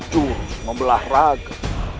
jurus membelah raga